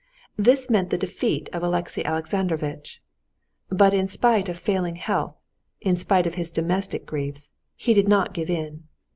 This meant the defeat of Alexey Alexandrovitch. But in spite of failing health, in spite of his domestic griefs, he did not give in.